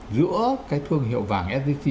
giữa cái thương hiệu vàng sgc